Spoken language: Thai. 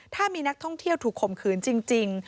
ถ้ามีนักท่องเที่ยวถูกข่มขืนจริง